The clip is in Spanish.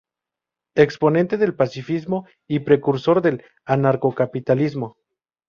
Exponente del pacifismo y precursor del anarcocapitalismo.